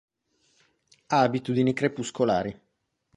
Ha abitudini crepuscolari.